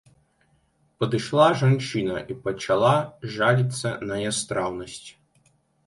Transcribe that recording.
Падышла жанчына і пачала жаліцца на нястраўнасць.